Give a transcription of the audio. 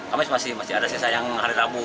kamis masih ada sisa yang hari rabu